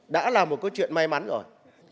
đã là một câu chuyện may mắn rồi